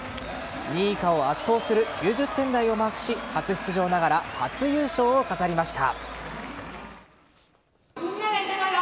２位以下を圧倒する９０点台をマークし初出場ながら初優勝を飾りました。